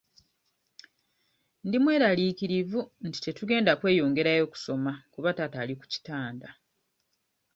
Ndi mweraliikirivu nti tetugenda kweyongerayo kusoma kuba taata ali ku kitanda.